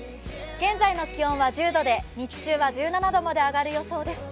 現在の気温は１０度で、日中は１７度まで上がる予想です。